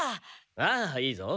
ああいいぞ。